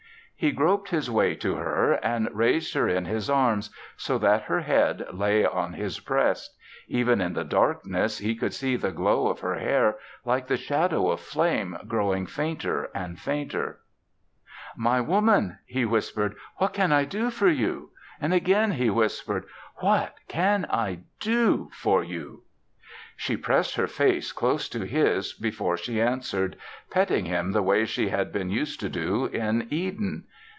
He groped his way to her and raised her in his arms so that her head lay on his breast. Even in the darkness he could see the glow of her hair, like the shadow of flame growing fainter and fainter. "My Woman," he whispered, "what can I do for you?" And again he whispered, "What can I do for you?" She pressed her face close to his before she answered, petting him the way she had been used to do in Eden.